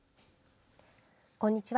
こんにちは。